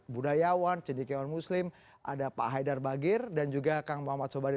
budayawan cendikiawan muslim ada pak haidar bagir dan juga kang muhammad sobari